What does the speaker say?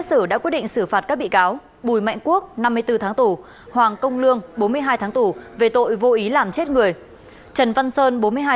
xin chào và hẹn gặp lại